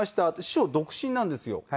師匠独身なんですよ。